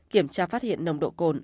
kiểm tra phát hiện nồng độ cồn